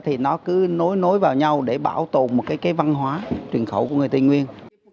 thì nó cứ nối nối vào nhau để bảo tồn một cái văn hóa truyền khẩu của người tây nguyên